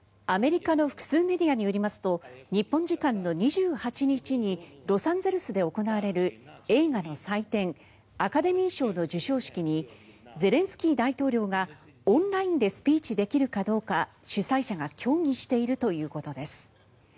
アメリカの複数メディアによりますと日本時間の２８日にロサンゼルスで行われる映画の祭典アカデミー賞の授賞式にゼレンスキー大統領がオンラインでスピーチできるかどうか主催者が協議しているということです。